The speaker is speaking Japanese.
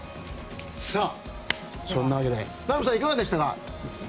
そんなわけで名波さん、いかがでしたか？